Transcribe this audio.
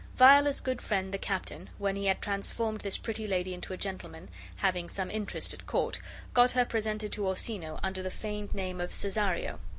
Viola's good friend, the captain, when he had transformed this pretty lady into a gentleman, having some interest at court, got her presented to Orsino under the feigned name of Cesario.